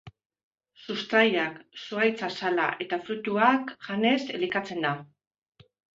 Sustraiak, zuhaitz azala eta fruituak janez elikatzen da.